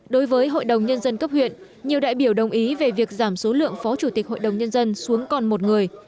đối với hội đồng nhân dân cấp huyện nhiều đại biểu đồng ý về việc giảm số lượng phó chủ tịch hội đồng nhân dân xuống còn một người